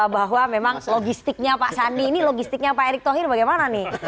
bahwa memang logistiknya pak sandi ini logistiknya pak erick thohir bagaimana nih